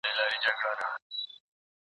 ما غوښتل چې په ښوونځي کې نجونو ته پوهه ورکړم.